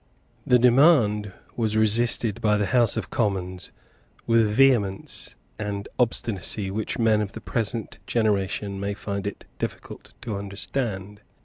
The demand was resisted by the House of Commons with a vehemence and obstinacy which men of the present generation may find it difficult to understand.